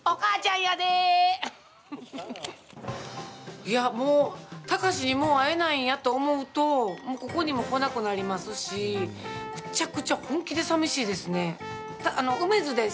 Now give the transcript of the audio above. いや、もう貴司にも会えないんやと思うともう、ここにも来なくなりますしむっちゃくちゃ本気で寂しいですね。